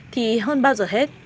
thì hơn bao giờ hết